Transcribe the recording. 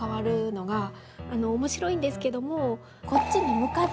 面白いんですけども。